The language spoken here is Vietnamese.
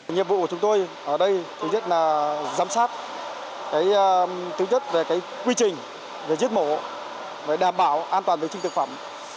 nhiệm vụ của chúng tôi ở đây thứ nhất là giám sát thứ nhất là quy trình giết mổ đảm bảo an toàn vệ sinh thực phẩm